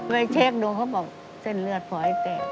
ไปเช็คดูเขาบอกเส้นเลือดพลอยแตก